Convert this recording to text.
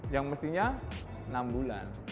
yang mestinya enam bulan